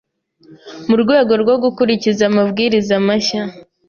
Mu rwego rwo gukurikiza amabwiriza mashya